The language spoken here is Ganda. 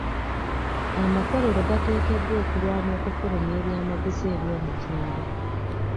Amakolerero gateekeddwa okulwana okufulumya ebyamaguzi eby'omutindo.